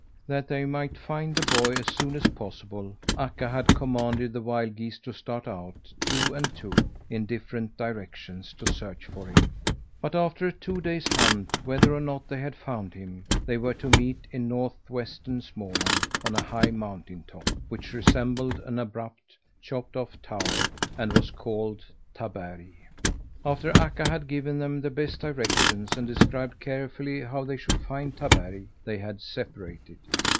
That they might find the boy as soon as possible, Akka had commanded the wild geese to start out two and two in different directions, to search for him. But after a two days' hunt, whether or not they had found him, they were to meet in northwestern Småland on a high mountain top, which resembled an abrupt, chopped off tower, and was called Taberg. After Akka had given them the best directions, and described carefully how they should find Taberg, they had separated.